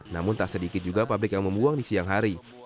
namun tak sedikit juga pabrik yang membuang di siang hari